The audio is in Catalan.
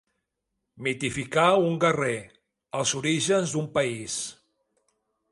Mitificar un guerrer, els orígens d'un país.